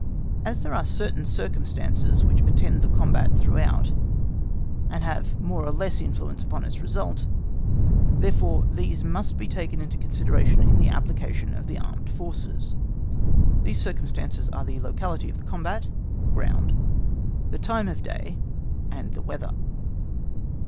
As there are certain circumstances which attend the combat throughout, and have more or less influence upon its result, therefore these must be taken into consideration in the application of the armed forces. These circumstances are the locality of the combat (ground), the time of day, and the weather.